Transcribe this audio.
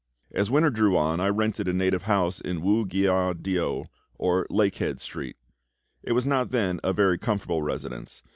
As winter drew on I rented a native house in Wu gyiao deo, or Lake Head Street. It was not then a very comfortable residence.